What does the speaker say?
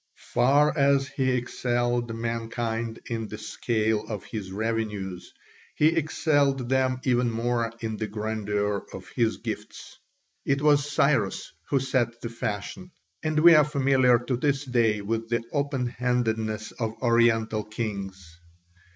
Far as he excelled mankind in the scale of his revenues, he excelled them even more in the grandeur of his gifts. It was Cyrus who set the fashion; and we are familiar to this day with the open handedness of Oriental kings.